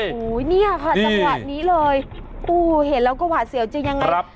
โอ้โหเนี่ยค่ะจังหวะนี้เลยโอ้เห็นแล้วก็หวาดเสียวจะยังไง